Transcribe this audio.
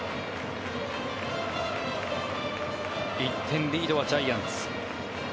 １点リードはジャイアンツ。